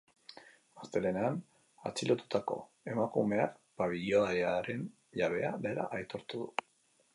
Astelehenean atxilotutako emakumeak pabiloiaren jabea dela aitortu du.